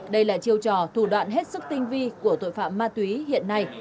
đây là chiêu trò thủ đoạn hết sức tinh vi của tội phạm ma túy hiện nay